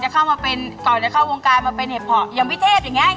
ก่อนจะเข้าวงการมาเป็นเหตุผลอย่างพิเทศอย่างเนี้ย